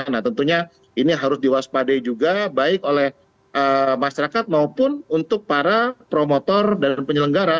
nah tentunya ini harus diwaspadai juga baik oleh masyarakat maupun untuk para promotor dan penyelenggara